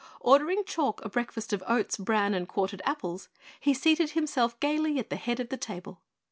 Ordering Chalk a breakfast of oats, bran and quartered apples, he seated himself gaily at the head of the table.